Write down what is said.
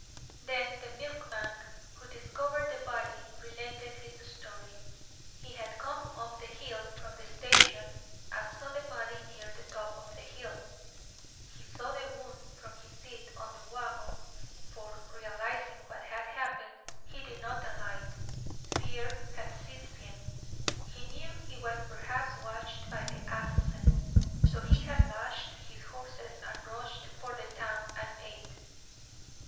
Then the milkman who discovered the body related his story. He had come up the hill from the station and saw the body near the top of the hill. He saw the wound from his seat on the wagon, for, realizing what had happened, he did not alight. Fear had seized him. He knew he was perhaps watched by the assassin, so he had lashed his horses and rushed for the town and aid.